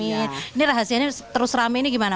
ini rahasianya terus rame ini gimana